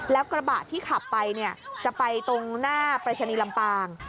แล้วกระบะที่ขับไปจะไปตรงหน้าปรายศนีย์ลำปาง